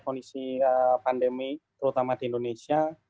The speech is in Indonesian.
kondisi pandemi terutama di indonesia